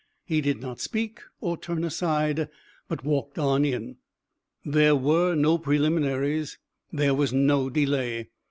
He did not speak or turn aside, but walked on in. There were no preliminaries, there was no delay.